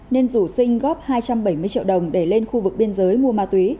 nên rủ sinh góp hai trăm bảy mươi triệu đồng để lên khu vực biên giới mua ma túy